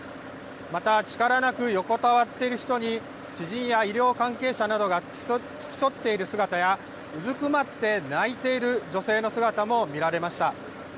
また、力なく横たわっている人に、知人や医療関係者などが付き添っている姿や、うずくまって泣いている女性の姿も見られました。